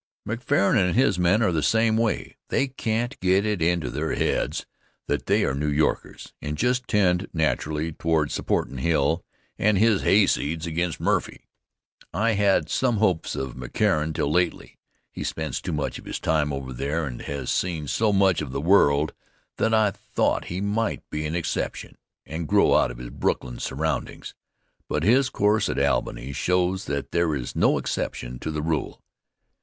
McCarren and his men are the same way. They can't get it into their heads that they are New Yorkers, and just tend naturally toward supportin' Hill and his hay seeds against Murphy. I had some hopes of McCarren till lately. He spends so much of his time over here and has seen so much of the world that I thought he might be an exception, and grow out of his Brooklyn surroundings, but his course at Albany shows that there is no exception to the rule.